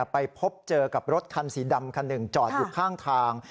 ไปเจอกับรถคันสีดำคันหนึ่งจอดอยู่ข้างทาง